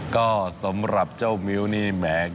ก็สำหรับเจ้ามิ้วนี่แหม